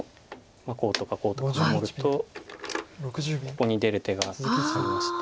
こうとかこうとか守るとここに出る手がありまして。